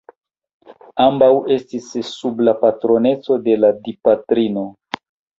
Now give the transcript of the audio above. Ambaŭ estis sub la patroneco de la Dipatrino.